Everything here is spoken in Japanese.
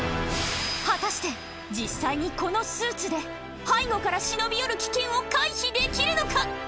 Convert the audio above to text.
果たして実際にこのスーツで背後から忍び寄る危険を回避できるのか？